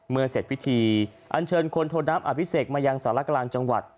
เสร็จพิธีอันเชิญคนโทน้ำอภิเษกมายังสารกลางจังหวัด